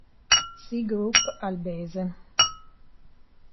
Sea Group Albese